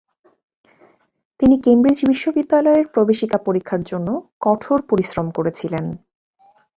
তিনি ক্যামব্রিজ বিশ্ববিদ্যালয়ের প্রবেশিকা পরীক্ষার জন্য কঠোর পরিশ্রম করেছিলেন।